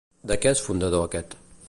De què és fundador aquest?